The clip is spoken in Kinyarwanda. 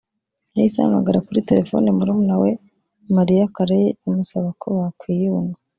yahise ahamagara kuri telefoni murumuna we Mariah Carey amusaba ko bakwiyunga